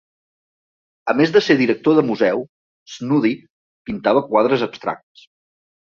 A més de ser director de museu, Snoddy pintava quadres abstractes.